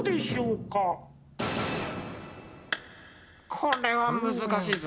これは難しいぞ。